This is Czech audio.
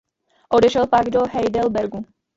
Odešel pak do Heidelbergu.